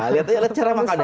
lihat lihat cara makan